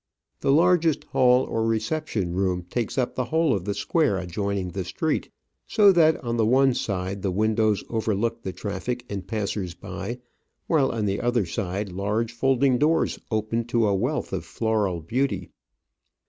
The largest hall or reception room takes up the whole of the square adjoining the street, so that on the one side the windows overlook the traffic and passers by, while on the other side large folding doors open to a wealth of floral beauty.